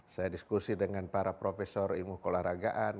saya diskusi dengan para profesor ilmu keolahragaan